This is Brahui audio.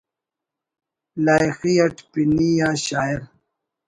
لائخی اٹ پِنی آ شاعر